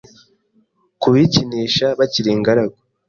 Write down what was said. ku bikinisha bakiri ingaragu,